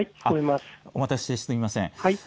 お待たせして、すみません。